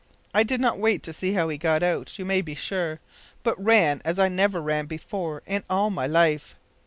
I did not wait to see how he got out, you may be sure, but ran as I never ran before in all my life!